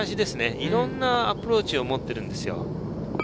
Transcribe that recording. いろんなアプローチを持っているんですよ。